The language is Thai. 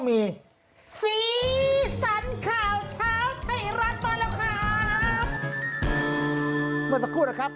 เกิดไม่ทันอ่ะ